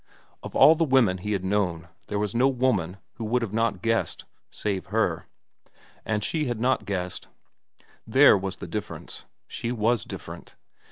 Of all the women he had known there was no woman who would not have guessed—save her. And she had not guessed. There was the difference. She was different.